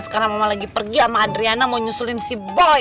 karena mama lagi pergi sama adriana mau nyusulin si boy